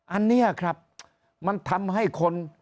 อันนี้ครับมันทำให้คน